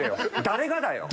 誰がだよ！